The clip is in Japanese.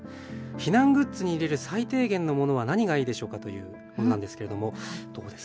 避難グッズに入れる最低限のものは何がいいでしょうかというものなんですけれどもどうですか？